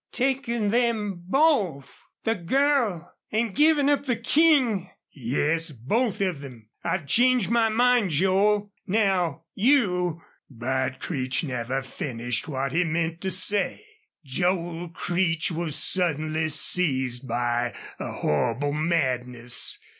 "Takin' them BOTH! The girl.... An' givin' up the King!" "Yes, both of them. I've changed my mind, Joel. Now you " But Creech never finished what he meant to say. Joel Creech was suddenly seized by a horrible madness.